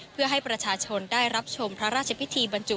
เพื่อให้ประชาชนได้รับชมพระราชพิธีบรรจุ